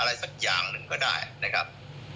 อะไรสักอย่างหนึ่งก็ได้นะครับ